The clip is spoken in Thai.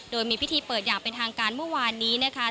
โดยมีพิธีเปิดอย่างเป็นทางการเมื่อวานนี้นะคะ